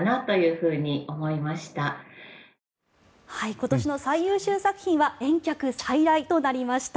今年の最優秀作品は「遠客再来」となりました。